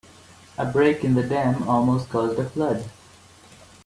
A break in the dam almost caused a flood.